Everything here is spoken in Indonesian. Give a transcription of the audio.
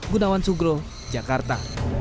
gunawan sugro jakarta